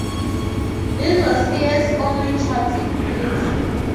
This was Hayes' only charting hit.